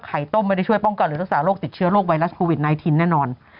ต้มไม่ได้ช่วยป้องกันหรือรักษาโรคติดเชื้อโรคไวรัสโควิด๑๙แน่นอน